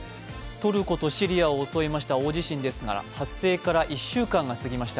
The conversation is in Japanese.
トルコとシリアを襲った大地震から発生から１週間が過ぎました。